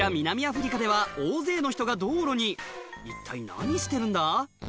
南アフリカでは大勢の人が道路に一体何してるんだ？